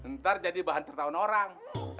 ntar jadi bahan tertahun orang